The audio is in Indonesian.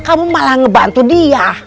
kamu malah ngebantu dia